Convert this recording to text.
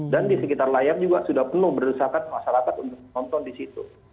dan di sekitar layar juga sudah penuh berdesakan masyarakat untuk menonton disitu